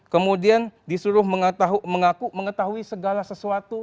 kemudian disuruh mengaku mengetahui segala sesuatu